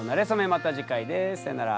また次回ですさようなら。